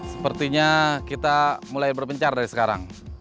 sepertinya kita mulai berpencar dari sekarang